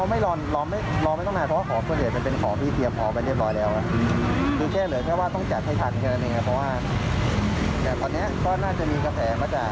มันเคยเจอคิวยาวหรือว่า